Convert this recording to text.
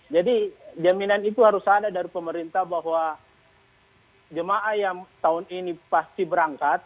jadi jaminan itu harus ada dari pemerintah bahwa jemaah yang tahun ini pasti berangkat